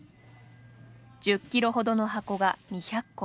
１０キロほどの箱が２００個。